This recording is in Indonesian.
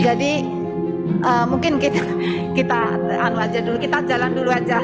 jadi mungkin kita jalan dulu aja